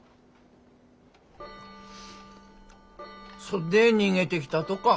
そっで逃げてきたとか。